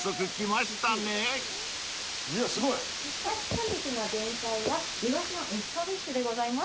本日の前菜がイワシのエスカベッシュでございます。